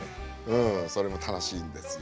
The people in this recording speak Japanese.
うんそれも楽しいんですよ。